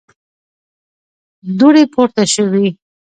دوړې پورته شوې.